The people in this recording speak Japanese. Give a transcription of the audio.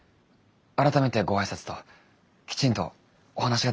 改めてご挨拶ときちんとお話ができればなと。